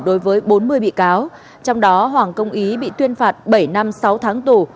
đối với bốn mươi bị cáo trong đó hoàng công ý bị tuyên phạt bảy năm sáu tháng tù